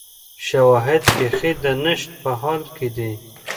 شواهد بیخي د نشت په حال کې دي